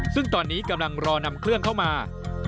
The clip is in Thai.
ซึ่งตอนนี้กำลังรอนำเครื่องเข้ามา